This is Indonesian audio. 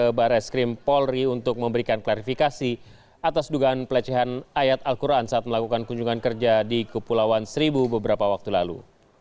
ke barres krim polri untuk memberikan klarifikasi atas dugaan pelecehan ayat al quran saat melakukan kunjungan kerja di kepulauan seribu beberapa waktu lalu